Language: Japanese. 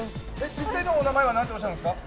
実際のお名前は何ておっしゃるんですか？